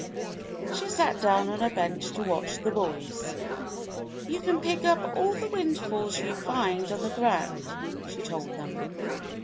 She sat down on a bench to watch the boys. "You can pick up all the windfalls you find on the ground," she told them.